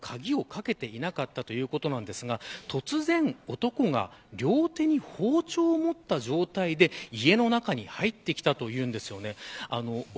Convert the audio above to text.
たまたま鍵をかけていなかったということですが突然、男が両手に包丁を持った状態で家の中に入ってきたというんです。